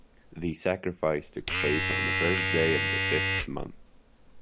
The sacrifice took place on the first day of the fifth month.